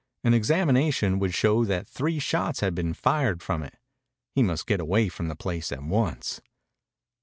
An examination would show that three shots had been fired from it. He must get away from the place at once.